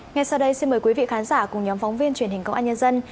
ngay sau đây xin mời quý vị khán giả cùng nhóm phóng viên truyền hình công an nhân dân